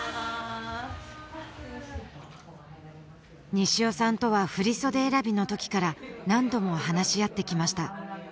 西尾さんとは振り袖選びの時から何度も話し合ってきました